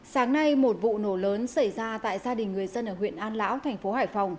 sáng nay một vụ nổ lớn xảy ra tại gia đình người dân ở huyện an lão thành phố hải phòng